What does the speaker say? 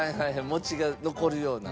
餅が残るような。